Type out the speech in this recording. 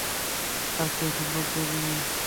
আর কেউ সৌন্দর্য্য দিয়ে।